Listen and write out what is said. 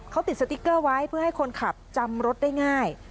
เขาติดสติ๊กเกอร์ไว้เพื่อให้คนขับจำรถได้ง่าย